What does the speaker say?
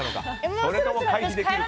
それとも回避できるか。